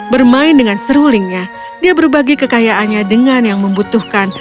bermain dengan serulingnya dia berbagi kekayaannya dengan yang membutuhkan